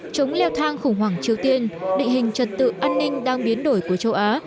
chống leo thang khủng hoảng triều tiên định hình trật tự an ninh đang biến đổi của châu á